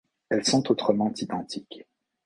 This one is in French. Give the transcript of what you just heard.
Elles sont autrement identiques.